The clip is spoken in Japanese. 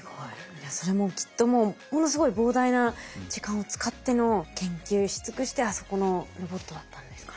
じゃそれもきっともうものすごい膨大な時間を使っての研究し尽くしてあそこのロボットだったんですかね。